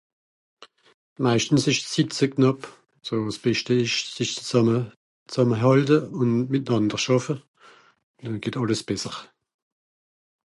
meisten esch s'Zit zue knàpp so s'beschte esch s'esch zàmme zàmme hàlte un mìtnander schàffe nun geht àlles besser